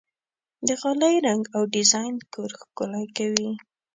د غالۍ رنګ او ډیزاین کور ښکلی کوي.